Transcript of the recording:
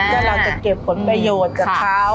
แล้วเราจะเก็บผลประโยชน์กับเขา